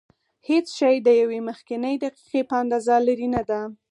هېڅ شی د یوې مخکنۍ دقیقې په اندازه لرې نه دی.